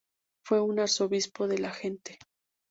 Fue un arzobispo de la gente.